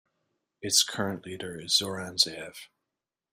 Its current leader is Zoran Zaev.